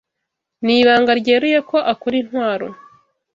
Ni ibanga ryeruye ko akora intwaro.